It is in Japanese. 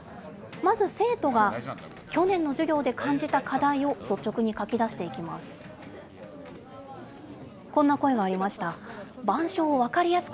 まず生徒が去年の授業で感じた課題を率直に書き出していきます。